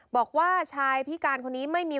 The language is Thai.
บอกว่าชายพิการคนนี้ไม่มี